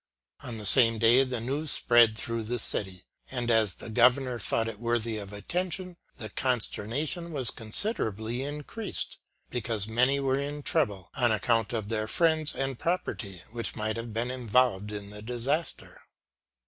On the same day the news spread through the city, and as the Governor thought it worthy of attention, the consternation was considerably increased ; because many were in trouble on account of their friends and property, which might have been involved in the disaster.